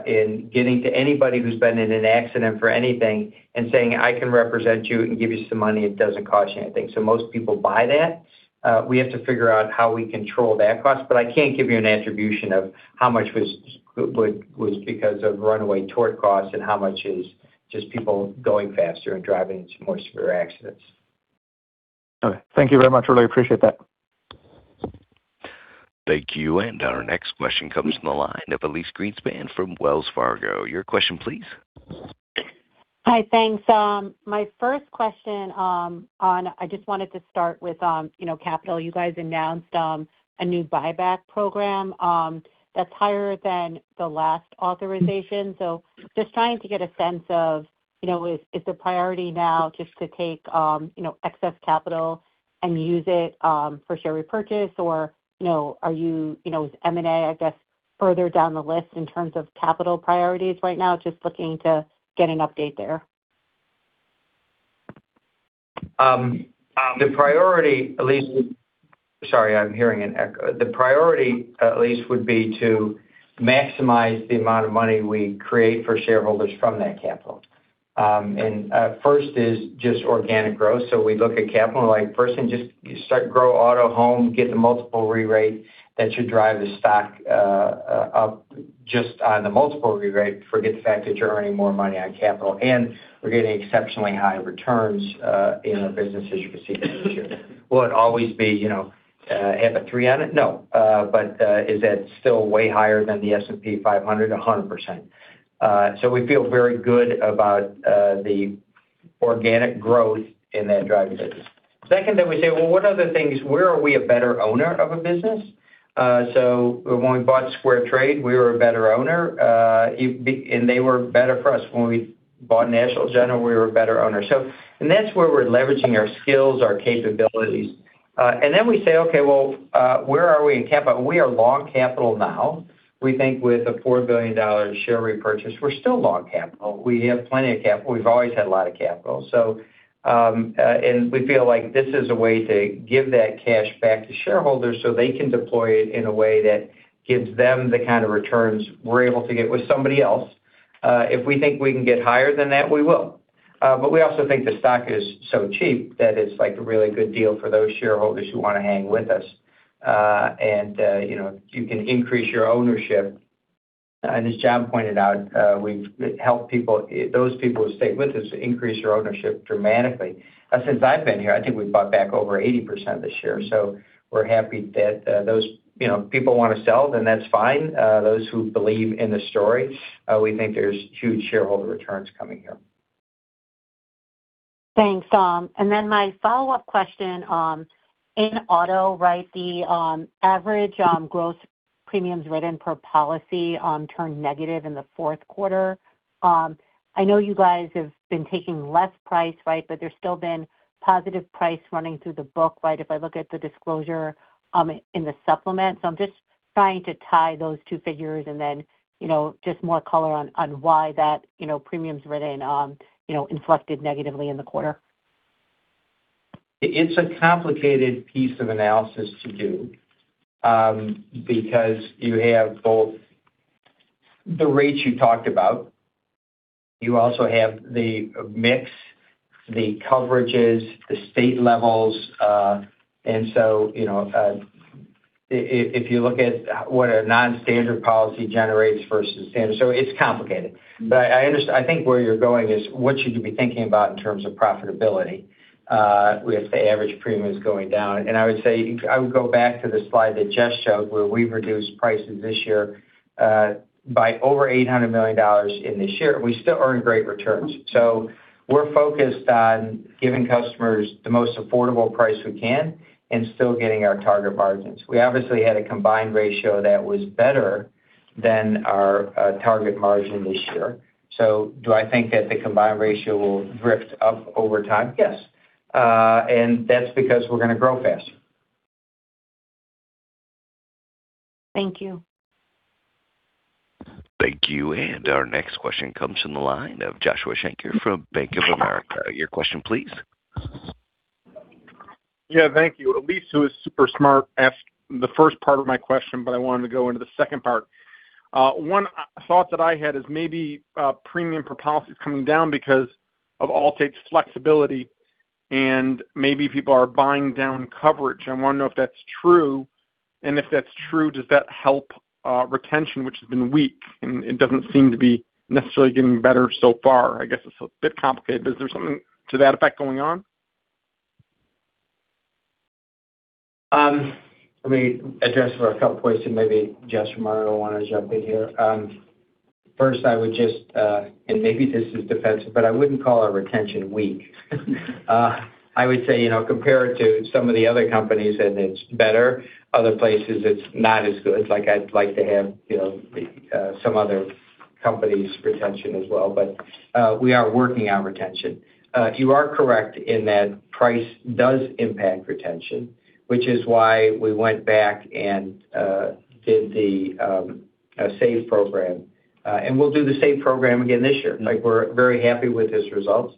S3: in getting to anybody who's been in an accident for anything and saying, "I can represent you and give you some money. It doesn't cost you anything." So most people buy that. We have to figure out how we control that cost, but I can't give you an attribution of how much was because of runaway tort costs and how much is just people going faster and driving into more severe accidents.
S10: Okay, thank you very much. Really appreciate that.
S1: Thank you, and our next question comes from the line of Elyse Greenspan from Wells Fargo. Your question, please.
S11: Hi, thanks. My first question, I just wanted to start with, you know, capital. You guys announced a new buyback program that's higher than the last authorization. So just trying to get a sense of, you know, is the priority now just to take, you know, excess capital and use it for share repurchase? Or, you know, are you, you know, is M&A, I guess, further down the list in terms of capital priorities right now? Just looking to get an update there.
S3: The priority, Elyse, sorry, I'm hearing an echo. The priority, Elyse, would be to maximize the amount of money we create for shareholders from that capital. First is just organic growth. So we look at capital and like, first thing, just start grow auto home, get the multiple rerate that should drive the stock up just on the multiple rerate, forget the fact that you're earning more money on capital, and we're getting exceptionally high returns in our business as you can see. Will it always be, you know, have a three on it? No. But is that still way higher than the S&P 500? 100%. So we feel very good about the organic growth in that driving business. Second, then we say, well, what other things, where are we a better owner of a business? So when we bought SquareTrade, we were a better owner, and they were better for us. When we bought National General, we were a better owner. So that's where we're leveraging our skills, our capabilities. And then we say, okay, well, where are we in capital? We are long capital now. We think with a $4 billion share repurchase, we're still long capital. We have plenty of capital. We've always had a lot of capital. So, and we feel like this is a way to give that cash back to shareholders, so they can deploy it in a way that gives them the kind of returns we're able to get with somebody else. If we think we can get higher than that, we will. But we also think the stock is so cheap that it's like a really good deal for those shareholders who want to hang with us. And, you know, you can increase your ownership, and as John pointed out, we've helped people, those people who stay with us, increase their ownership dramatically. Since I've been here, I think we've bought back over 80% of the shares, so we're happy that, those, you know, people want to sell, then that's fine. Those who believe in the story, we think there's huge shareholder returns coming here.
S11: Thanks. And then my follow-up question, in auto, right? The average gross premiums written per policy turned negative in the fourth quarter. I know you guys have been taking less price, right? But there's still been positive price running through the book, right, if I look at the disclosure in the supplement. So I'm just trying to tie those two figures and then, you know, just more color on why that, you know, premiums written, you know, inflected negatively in the quarter.
S3: It's a complicated piece of analysis to do, because you have both the rates you talked about. You also have the mix, the coverages, the state levels, and so, you know, if you look at what a non-standard policy generates versus standard. So it's complicated, but I think where you're going is what should you be thinking about in terms of profitability, if the average premium is going down? And I would say, I would go back to the slide that Jess showed, where we've reduced prices this year, by over $800 million this year. We still earn great returns. So we're focused on giving customers the most affordable price we can and still getting our target margins. We obviously had a combined ratio that was better than our target margin this year. So do I think that the combined ratio will drift up over time? Yes, and that's because we're going to grow faster.
S11: Thank you.
S1: Thank you. Our next question comes from the line of Joshua Shanker from Bank of America. Your question, please.
S12: Yeah, thank you. Elyse, who is super smart, asked the first part of my question, but I wanted to go into the second part. One thought that I had is maybe premium per policy is coming down because of Allstate's flexibility, and maybe people are buying down coverage. I want to know if that's true, and if that's true, does that help retention, which has been weak, and it doesn't seem to be necessarily getting better so far? I guess it's a bit complicated, but is there something to that effect going on?
S3: Let me address a couple points, and maybe Jess or Mario want to jump in here. First, I would just, and maybe this is defensive, but I wouldn't call our retention weak. I would say, you know, compared to some of the other companies, and it's better. Other places, it's not as good. It's like I'd like to have, you know, some other company's retention as well, but, we are working on retention. You are correct in that price does impact retention, which is why we went back and did the SAVE program. And we'll do the same program again this year. Like, we're very happy with its results.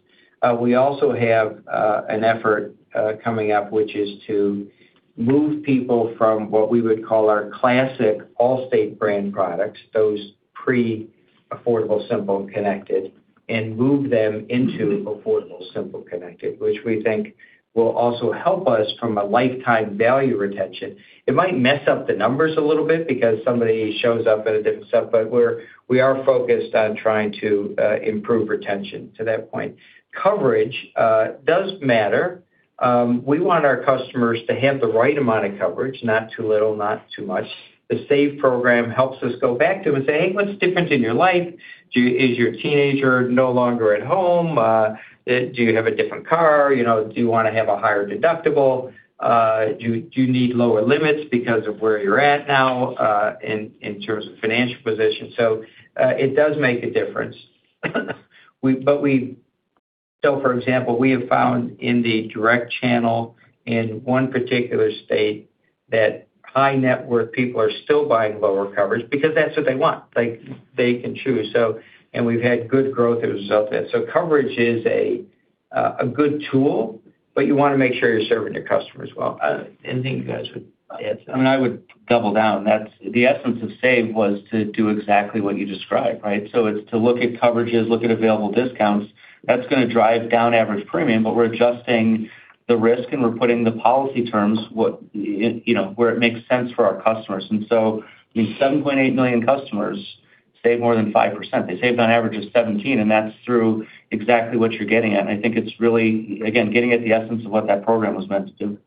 S3: We also have an effort coming up, which is to move people from what we would call our classic Allstate brand products, those pre-Affordable, Simple, and Connected, and move them into Affordable, Simple, Connected, which we think will also help us from a lifetime value retention. It might mess up the numbers a little bit because somebody shows up at a different set, but we are focused on trying to improve retention to that point. Coverage does matter. We want our customers to have the right amount of coverage, not too little, not too much. The SAVE program helps us go back to them and say, "Hey, what's different in your life? Is your teenager no longer at home? Do you have a different car? You know, do you wanna have a higher deductible? Do you need lower limits because of where you're at now, in terms of financial position?" So, it does make a difference. For example, we have found in the direct channel in one particular state, that high-net-worth people are still buying lower coverage because that's what they want. Like, they can choose, so... And we've had good growth as a result of that. So coverage is a good tool, but you wanna make sure you're serving your customers well. Anything you guys would add to that?
S5: I mean, I would double down. That's the essence of SAVE was to do exactly what you described, right? So it's to look at coverages, look at available discounts. That's gonna drive down average premium, but we're adjusting the risk, and we're putting the policy terms, what, you know, where it makes sense for our customers. And so the 7.8 million customers save more than 5%. They saved on average of 17, and that's through exactly what you're getting at. I think it's really, again, getting at the essence of what that program was meant to do.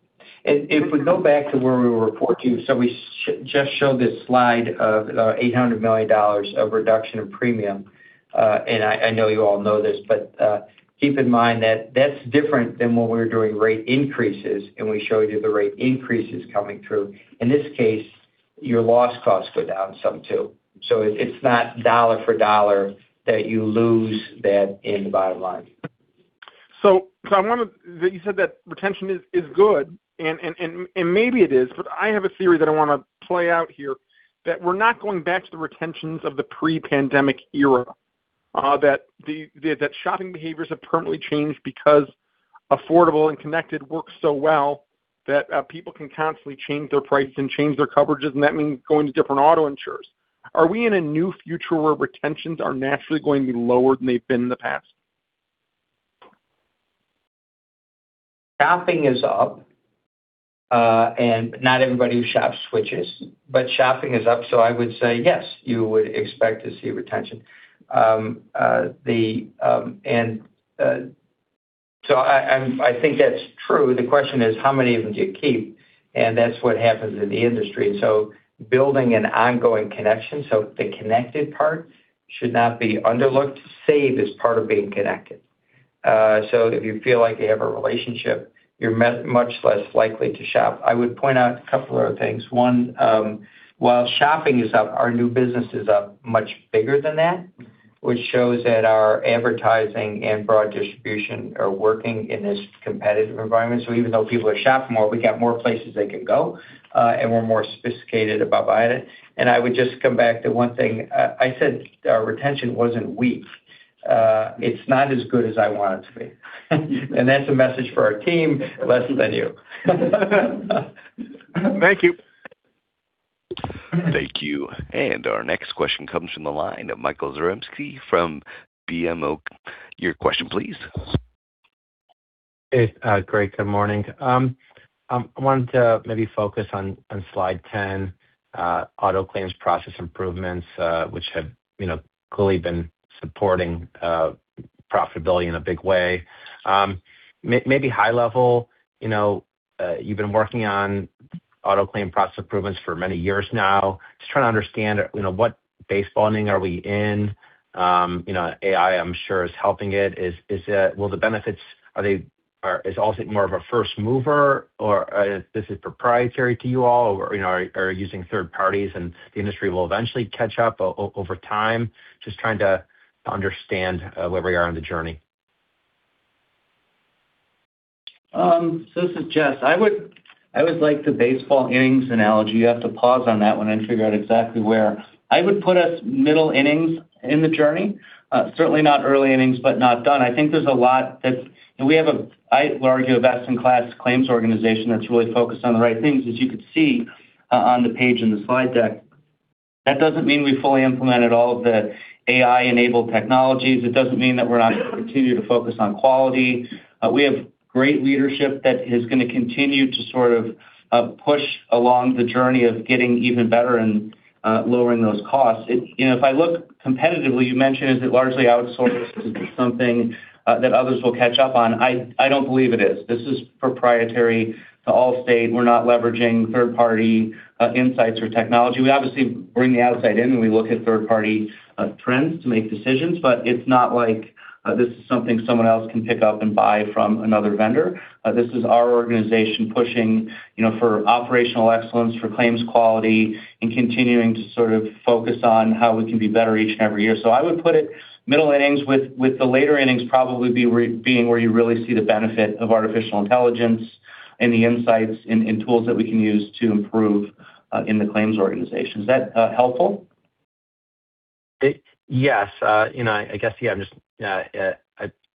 S3: If we go back to where we were reporting, so we just showed this slide of $800 million of reduction in premium. And I know you all know this, but keep in mind that that's different than when we were doing rate increases, and we showed you the rate increases coming through. In this case, your loss costs go down some, too. So it's not dollar for dollar that you lose that in the bottom line.
S12: I wondered that you said that retention is good, and maybe it is, but I have a theory that I wanna play out here, that we're not going back to the retentions of the pre-pandemic era. That the shopping behaviors have permanently changed because affordable and connected works so well, that people can constantly change their prices and change their coverages, and that means going to different auto insurers. Are we in a new future where retentions are naturally going to be lower than they've been in the past?
S3: Shopping is up, and not everybody who shops switches, but shopping is up. So I would say yes, you would expect to see retention. I think that's true. The question is, how many of them do you keep? And that's what happens in the industry. So building an ongoing connection, so the connected part should not be overlooked. SAVE is part of being connected. So if you feel like you have a relationship, you're much less likely to shop. I would point out a couple of other things. One, while shopping is up, our new business is up much bigger than that, which shows that our advertising and broad distribution are working in this competitive environment. So even though people are shopping more, we got more places they can go, and we're more sophisticated about buying it. I would just come back to one thing. I said our retention wasn't weak. It's not as good as I want it to be. That's a message for our team, less than you.
S12: Thank you.
S1: Thank you. Our next question comes from the line of Michael Zaremski from BMO. Your question, please.
S13: It's great, good morning. I wanted to maybe focus on slide 10, auto claims process improvements, which have, you know, clearly been supporting profitability in a big way. Maybe high level, you know, you've been working on auto claim process improvements for many years now. Just trying to understand, you know, what baseball inning are we in? You know, AI, I'm sure, is helping it. Will the benefits, are they also more of a first mover, or this is proprietary to you all, or, you know, are using third parties, and the industry will eventually catch up over time? Just trying to understand where we are on the journey.
S3: So this is Jess. I would, I would like the baseball innings analogy. You have to pause on that one and figure out exactly where. I would put us middle innings in the journey. Certainly not early innings, but not done. I think there's a lot that... We have a, I argue, a best-in-class claims organization that's really focused on the right things, as you could see on the page in the slide deck. That doesn't mean we fully implemented all of the AI-enabled technologies. It doesn't mean that we're not gonna continue to focus on quality. We have great leadership that is gonna continue to sort of push along the journey of getting even better and lowering those costs. You know, if I look competitively, you mentioned, is it largely outsourced? Is it something that others will catch up on? I don't believe it is. This is proprietary to Allstate. We're not leveraging third-party, insights or technology. We obviously bring the outside in, and we look at third-party, trends to make decisions, but it's not like this is something someone else can pick up and buy from another vendor. This is our organization pushing, you know, for operational excellence, for claims quality, and continuing to sort of focus on how we can be better each and every year. So I would put it middle innings, with the later innings probably be where you really see the benefit of artificial intelligence and the insights and, and tools that we can use to improve, in the claims organization. Is that, helpful?
S13: Yes. You know, I guess, yeah, I'm just,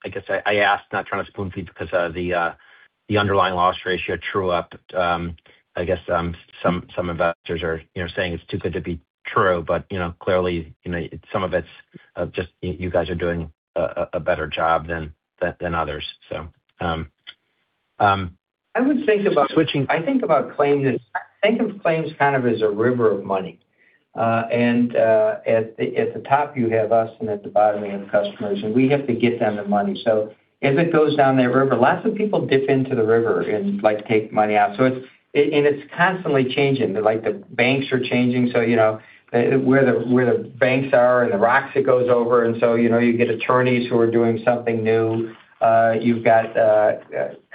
S13: I guess I ask, not trying to spoon-feed because of the underlying loss ratio true up. I guess, some investors are, you know, saying it's too good to be true, but, you know, clearly, you know, some of it's just you guys are doing a better job than others, so,
S3: I would think about-
S13: Switching-
S3: I think about claims as... I think of claims kind of as a river of money. And at the top, you have us, and at the bottom, you have customers, and we have to get them the money. So as it goes down that river, lots of people dip into the river and, like, take money out. So it's constantly changing, like, the banks are changing, so, you know, where the banks are and the rocks it goes over, and so, you know, you get attorneys who are doing something new. You've got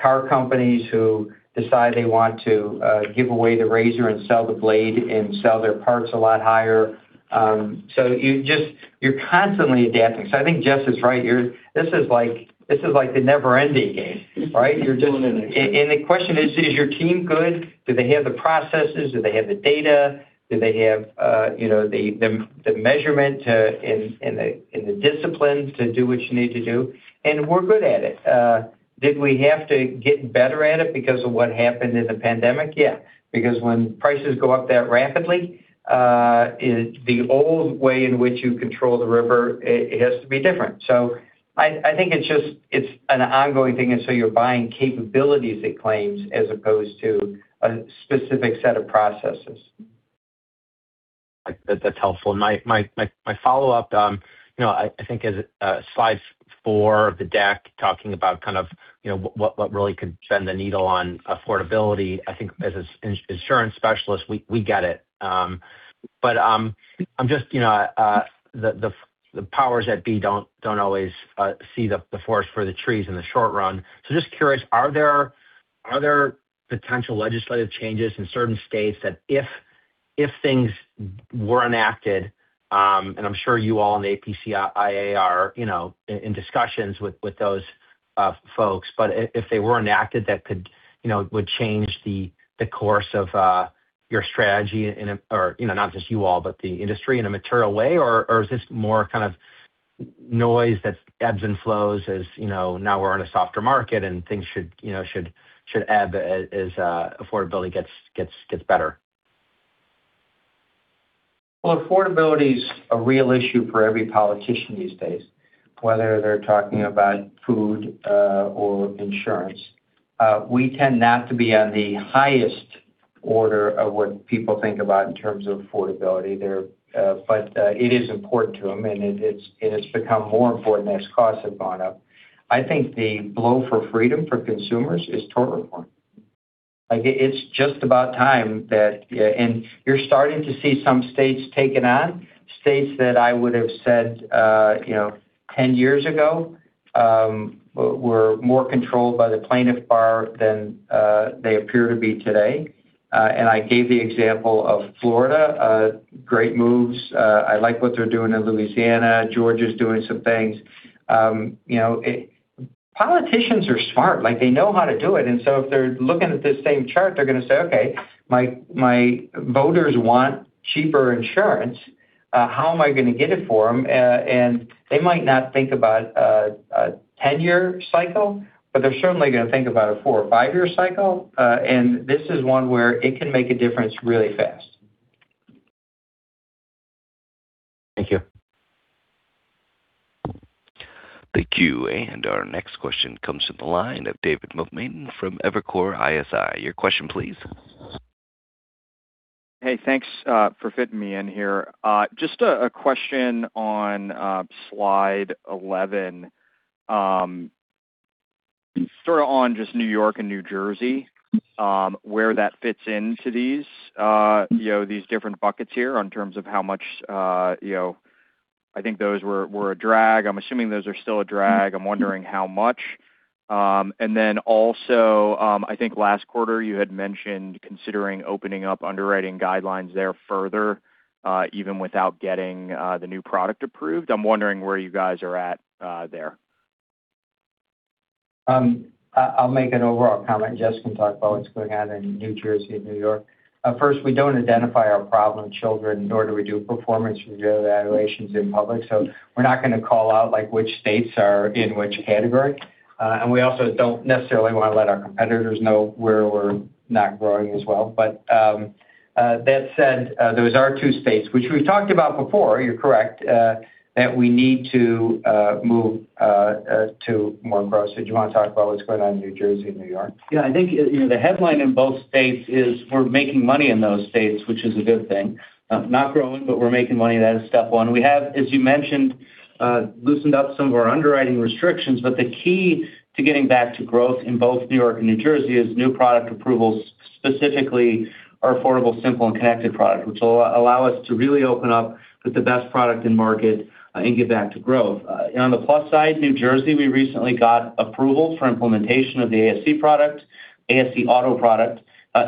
S3: car companies who decide they want to give away the razor and sell the blade and sell their parts a lot higher. So you just, you're constantly adapting. So I think Jess is right. Here, this is like, this is like the never-ending game, right?
S5: You're doing it.
S3: And the question is: Is your team good? Do they have the processes? Do they have the data? Do they have, you know, the measurement, and the discipline to do what you need to do? And we're good at it. Did we have to get better at it because of what happened in the pandemic? Yeah, because when prices go up that rapidly, it, the old way in which you control the river, has to be different. So I think it's just an ongoing thing, and so you're buying capabilities at claims as opposed to a specific set of processes.
S13: That, that's helpful. My follow-up, you know, I think as slide four of the deck, talking about kind of, you know, what really could bend the needle on affordability, I think as an insurance specialist, we get it. But, I'm just, you know, the powers that be don't always see the forest for the trees in the short run. So just curious, are there potential legislative changes in certain states that if things were enacted, and I'm sure you all in the APCIA, you know, in discussions with those folks, but if they were enacted, that could, you know, would change the course of your strategy in a... or, you know, not just you all, but the industry in a material way, or is this more kind of noise that ebbs and flows as, you know, now we're in a softer market, and things should, you know, should ebb as affordability gets better?
S3: Well, affordability is a real issue for every politician these days, whether they're talking about food, or insurance. We tend not to be on the highest order of what people think about in terms of affordability there, but, it is important to them, and it, it's, and it's become more important as costs have gone up. I think the blow for freedom for consumers is tort reform. Like, it's just about time that... And you're starting to see some states take it on, states that I would have said, you know, 10 years ago, were more controlled by the plaintiff bar than, they appear to be today. And I gave the example of Florida, great moves. I like what they're doing in Louisiana. Georgia is doing some things. You know, it... Politicians are smart, like, they know how to do it, and so if they're looking at the same chart, they're going to say, "Okay, my voters want cheaper insurance. How am I going to get it for them?" They might not think about a ten-year cycle, but they're certainly going to think about a four or five-year cycle, and this is one where it can make a difference really fast.
S13: Thank you.
S1: Thank you, and our next question comes from the line of David Motemaden from Evercore ISI. Your question, please.
S14: Hey, thanks for fitting me in here. Just a question on slide 11, sort of on just New York and New Jersey, where that fits into these, you know, these different buckets here in terms of how much, you know, I think those were a drag. I'm assuming those are still a drag. I'm wondering how much. And then also, I think last quarter, you had mentioned considering opening up underwriting guidelines there further, even without getting the new product approved. I'm wondering where you guys are at there.
S3: I'll make an overall comment. Jess can talk about what's going on in New Jersey and New York. First, we don't identify our problem children, nor do we do performance evaluations in public, so we're not going to call out, like, which states are in which category. And we also don't necessarily want to let our competitors know where we're not growing as well. But, that said, those are two states which we've talked about before, you're correct, that we need to move to more growth. So do you want to talk about what's going on in New Jersey and New York?
S5: Yeah, I think, you know, the headline in both states is we're making money in those states, which is a good thing. Not growing, but we're making money, and that is step one. We have, as you mentioned, loosened up some of our underwriting restrictions, but the key to getting back to growth in both New York and New Jersey is new product approvals, specifically our Affordable, Simple, Connected product, which will allow us to really open up with the best product in market, and get back to growth. And on the plus side, New Jersey, we recently got approval for implementation of the ASC product, ASC Auto product,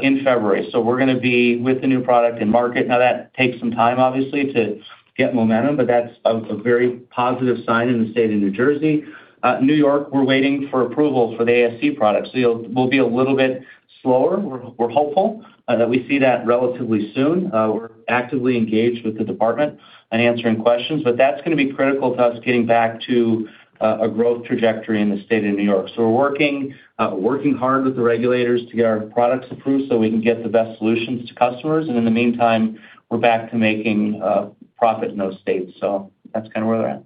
S5: in February. So we're going to be with the new product in market. Now, that takes some time, obviously, to get momentum, but that's a very positive sign in the state of New Jersey. New York, we're waiting for approval for the ASC product, so we'll be a little bit slower. We're hopeful that we see that relatively soon. We're actively engaged with the department in answering questions, but that's going to be critical to us getting back to a growth trajectory in the state of New York. So we're working, working hard with the regulators to get our products approved so we can get the best solutions to customers, and in the meantime, we're back to making profit in those states. So that's kind of where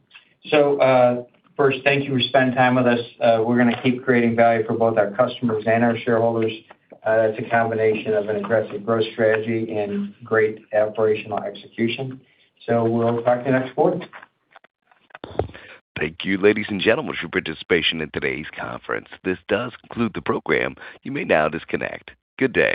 S5: we're at.
S3: First, thank you for spending time with us. We're going to keep creating value for both our customers and our shareholders. It's a combination of an aggressive growth strategy and great operational execution. We'll talk to you next quarter.
S1: Thank you, ladies and gentlemen, for your participation in today's conference. This does conclude the program. You may now disconnect. Good day.